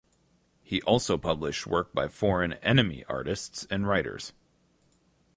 He also published work by foreign "enemy" artists and writers.